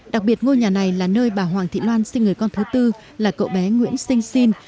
đặc biệt ngôi nhà này là nơi bà hoàng thị loan sinh người con thứ tư là cậu bé nguyễn sinh sinh